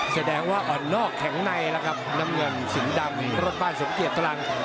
แสดงว่าอ่อนนอกแข็งในแล้วครับน้ำเงินสิงห์ดำรถป้ายสมเกียจตรัง